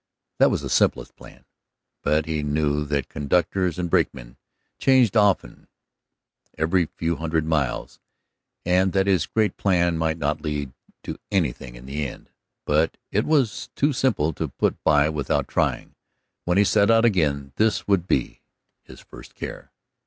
That was the simplest plan. But he knew that conductors and brakemen changed every few hundred miles, and that this plan might not lead to anything in the end. But it was too simple to put by without trying; when he set out again this would be his first care.